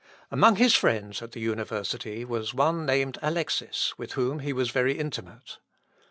Among his friends at the university was one named Alexis, with whom he was very intimate.